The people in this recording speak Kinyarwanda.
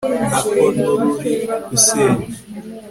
nako n'ururi gusenya